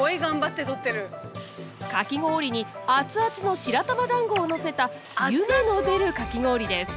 かき氷にアツアツの白玉団子をのせた湯気の出るかき氷です。